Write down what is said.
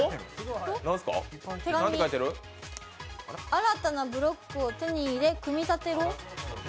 「新たなブロックを手に入れ組み立てろ」